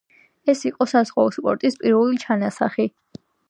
ეს იყო საზღვაო სპორტის პირველი ჩანასახი.